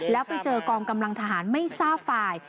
แล้วไปเจอกองกำลังทหารไม่ทราบฝ่าย